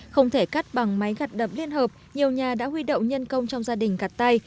không thể cắt bằng máy gặt đập liên hợp nhiều nhà đã huy động nhân công trong gia đình gặt tay